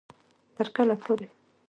تر کله پورې